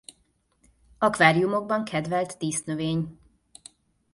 Akváriumokban kedvelt dísznövény.